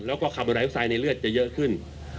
แล้วก็คาร์บอไดออกไซด์ในเลือดจะเยอะขึ้น